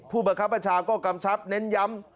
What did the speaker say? ประคับประชาก็กำชับเน้นย้ำ